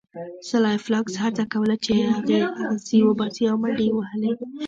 سلای فاکس هڅه کوله چې اغزي وباسي او منډې یې وهلې